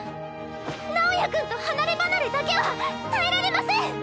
直也君と離れ離れだけは耐えられません！